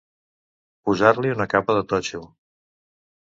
Posar-li una capa de totxo.